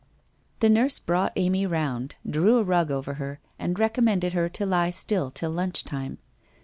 The nurse brought Amy round, drew a rug over her, and recommended her to lie still till lunch time.